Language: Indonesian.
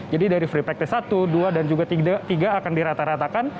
jadi dari free practice satu dua dan juga tiga akan dirata ratakan